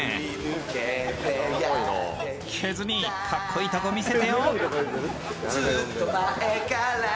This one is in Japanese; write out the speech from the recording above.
ケズ兄、かっこいいところ見せてよ。